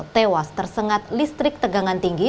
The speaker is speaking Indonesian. tewas tersengat listrik tegangan tinggi